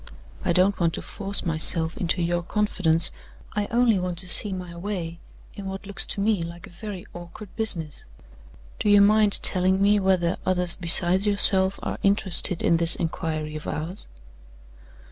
"I don't want to force myself into your confidence. I only want to see my way, in what looks to me like a very awkward business. Do you mind telling me whether others besides yourself are interested in this inquiry of ours?"